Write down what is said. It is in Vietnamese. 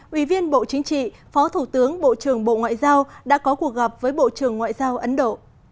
ủy viên bộ chính trị phó thủ tướng bộ trưởng bộ ngoại giao đã có cuộc gặp với bộ trưởng ngoại giao ấn độ